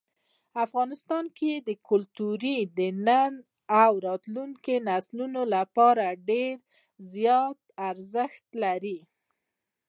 افغانستان کې کلتور د نن او راتلونکي نسلونو لپاره ډېر زیات ارزښت لري.